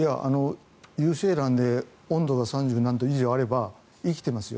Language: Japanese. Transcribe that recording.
有精卵で温度が３０何度以上あれば生きてますよ。